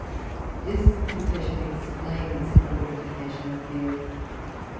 113 This confession explains the mortification I feel.